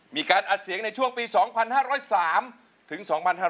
มีการอัดเสียงในช่วงปี๒๕๐๓ถึง๒๕๕๙